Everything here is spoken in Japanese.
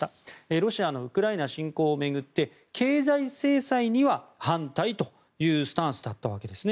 ロシアのウクライナ侵攻を巡って経済制裁には反対というスタンスだったわけですね。